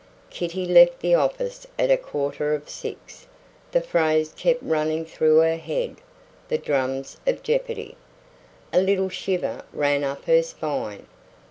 Kitty left the office at a quarter of six. The phrase kept running through her head the drums of jeopardy. A little shiver ran up her spine.